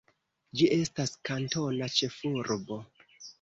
Ĝi estas kantona ĉefurbo.